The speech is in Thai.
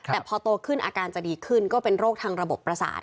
แต่พอโตขึ้นอาการจะดีขึ้นก็เป็นโรคทางระบบประสาท